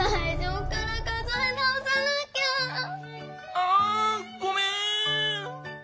あごめん。